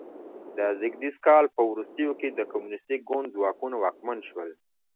د ز کال په وروستیو کې د کمونیستي ګوند ځواکونه واکمن شول.